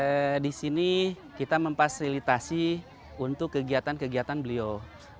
nah di sini kita memfasilitasi untuk kegiatan kegiatan beliau